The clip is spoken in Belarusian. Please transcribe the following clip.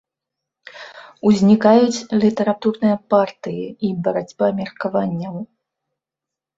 Узнікаюць літаратурныя партыі і барацьба меркаванняў.